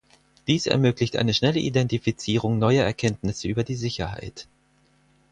Dies ermöglicht eine schnelle Identifizierung neuer Erkenntnisse über die Sicherheit.